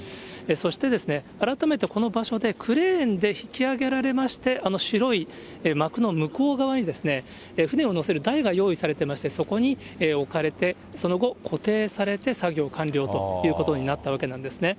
そしてですね、改めてこの場所でクレーンで引き揚げられまして、あの白い幕の向こう側に、船を載せる台が用意されてまして、そこに置かれて、その後、固定されて、作業完了ということになったわけなんですね。